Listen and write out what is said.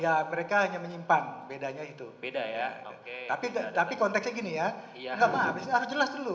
ya mereka hanya menyimpan bedanya itu tapi konteksnya gini ya enggak apa apa harus jelas dulu